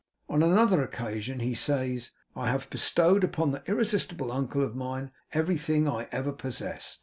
On another occasion he says, 'I have bestowed upon that irresistible uncle of mine everything I ever possessed.